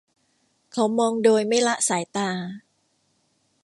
เขามองโดยไม่ละสายตา